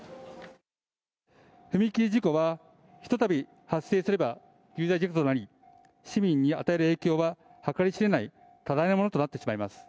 踏切事故は、ひとたび発生すれば、重大事故となり、市民に与える影響は計り知れない多大なものとなってしまいます。